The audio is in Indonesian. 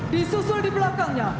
disusul di belakangnya